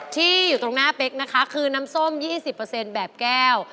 ที่อยู่ตรงหน้าเป๊กนะคะคือน้ำส้ม๒๐แบบแก้ว